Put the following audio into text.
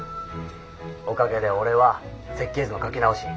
おかげで俺は設計図の描き直し。